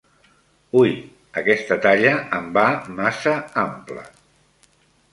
Ui, aquesta talla em va massa ampla!